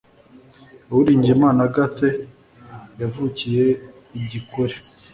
uwiringiyimana agathe yavukiye i gikore